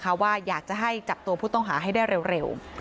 เพราะว่าอยากจะให้จับตัวผู้ต้องหาให้ได้เร็ว